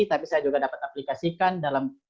tapi saya juga dapat aplikasikan dalam